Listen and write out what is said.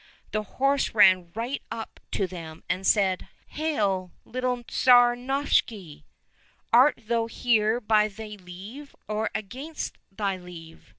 The horse ran right up to them and said, '' Hail ! little Tsar Novishny ; art thou here by thy leave or against thy leave